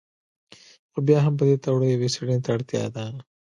خو بیا هم په دې تړاو یوې څېړنې ته اړتیا ده.